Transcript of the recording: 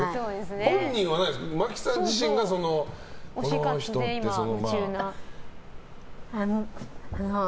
本人はないんですか真木さん自身がこの人っていうのは。